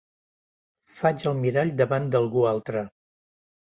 Faig el mirall davant d'algú altre.